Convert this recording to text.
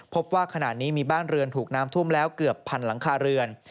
พบว่าขณะนี้มีบ้านเรือนถูกน้ำท่วมแล้วเกือบพันหลังคาเรือน